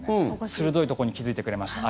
鋭いところに気付いてくれました。